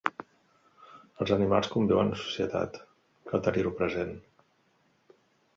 Els animals conviuen en societat, cal tenir-ho present.